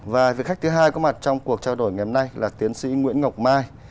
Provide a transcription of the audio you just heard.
và vị khách thứ hai có mặt trong cuộc trao đổi ngày hôm nay là tiến sĩ nguyễn ngọc mai